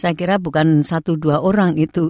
saya kira bukan satu dua orang itu